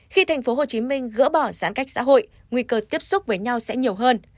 khi tp hcm gỡ bỏ giãn cách xã hội nguy cơ tiếp xúc với nhau sẽ nhiều hơn